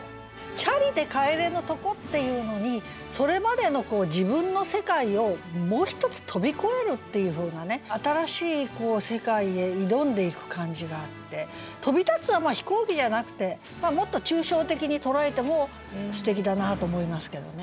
「チャリで帰れぬとこ」っていうのにそれまでの自分の世界をもう一つ飛び越えるっていうふうなね新しい世界へ挑んでいく感じがあって「飛び発つ」はまあ飛行機じゃなくてもっと抽象的に捉えてもすてきだなと思いますけどね。